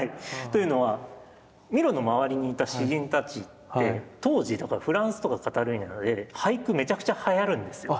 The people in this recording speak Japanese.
というのはミロの周りにいた詩人たちって当時だからフランスとかカタルーニャで俳句めちゃくちゃはやるんですよ。